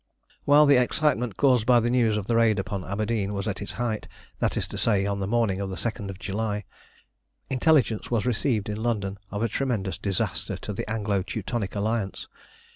While the excitement caused by the news of the raid upon Aberdeen was at its height, that is to say, on the morning of the 2nd of July, intelligence was received in London of a tremendous disaster to the Anglo Teutonic Alliance.